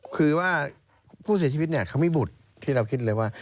คือว่าผู้เสียชีวิตเนี่ยเขามีบุตรที่เราคิดเลยว่า